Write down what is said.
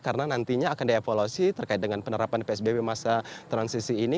karena nantinya akan diavolusi terkait dengan penerapan psbb masa transisi ini